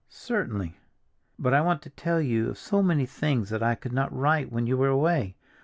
"Certainly." "But I want to tell you of so many things that I could not write when you were away.